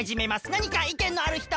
なにかいけんのあるひと？